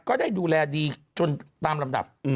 ก็ได้ดูแลดีจนตามลำดับ